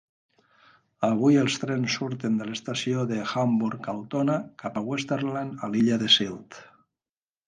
Avui els trens surten de l'estació d'Hamburg-Altona cap a Westerland a l'illa de Sylt.